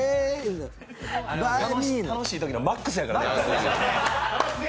楽しいときのマックスやからね。